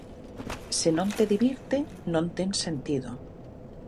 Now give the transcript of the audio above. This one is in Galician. Se non te divirte, non ten sentido.